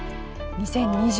２０２０。